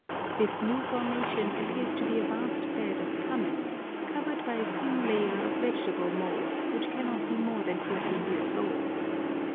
This new formation appears to be a vast bed of pumice, covered by a thin layer of vegetable mould, which cannot be more than fifty years old.